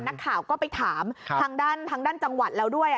นักข่าวก็ไปถามทางด้านทางด้านจังหวัดแล้วด้วย